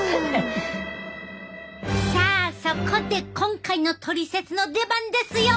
さあそこで今回のトリセツの出番ですよ！